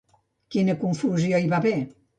Quina confusió hi va haver?